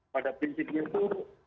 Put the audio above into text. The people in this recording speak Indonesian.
pada prinsipnya itu